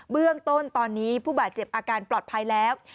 เบื้องต้นตอนนี้ผู้บาดเจ็บอาการปลอดภัยแล้ว